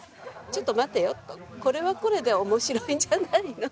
ちょっと待てよとこれはこれで面白いんじゃないの。